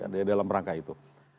di dalam rangka itu